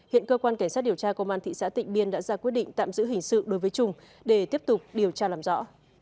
hiện cơ quan cảnh sát điều tra công an thị xã tịnh biên đã ra quyết định tạm giữ hình sự đối với trung để tiếp tục điều tra làm rõ